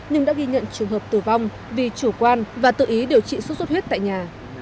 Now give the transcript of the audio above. nhưng đã ghi nhận trường hợp tử vong vì chủ quan và tự ý điều trị sốt xuất huyết tại nhà